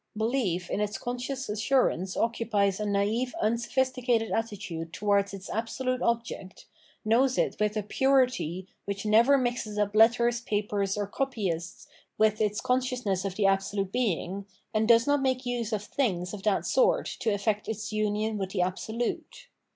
Belief in its conscious assurance occupies a naive unsophisticated attitude towards its absolute object, knows it with a purity, which never mixes up letters, paper, or copyists with its consciousness of the Absolute Being, and does not make use of things of that sort to effect its umon with the Absolute.